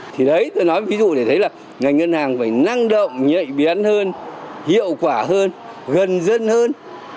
thì đấy tôi nói ví dụ để thấy là ngành ngân hàng phải năng động nhạy bén hơn hiệu quả hơn gần dân hơn